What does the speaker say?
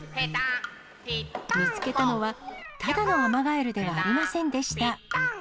見つけたのは、ただのアマガエルではありませんでした。